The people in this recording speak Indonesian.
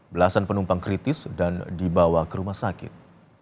belasan penumpang kritis dan dibawa ke rumah sakit